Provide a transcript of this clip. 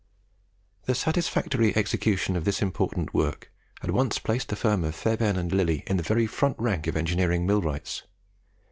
The satisfactory execution of this important work at once placed the firm of Fairbairn and Lillie in the very front rank of engineering millwrights.